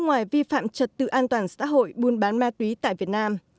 người nước ngoài vi phạm trật tự an toàn xã hội buôn bán ma túy tại việt nam